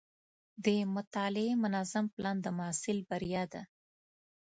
د مطالعې منظم پلان د محصل بریا ده.